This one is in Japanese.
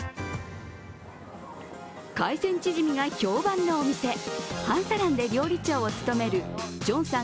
海鮮チヂミが評判のお店、韓サランで料理長を務めるジョンさん